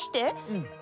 うん。